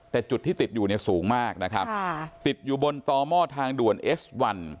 แต่จุดที่ติดอยู่เนี่ยสูงมากนะครับติดอยู่บนต่อหม้อทางด่วนเอสวัน